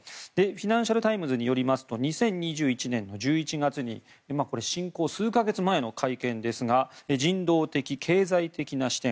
フィナンシャル・タイムズによりますと２０２１年の１１月に侵攻数か月前の会見ですが人道的、経済的な視点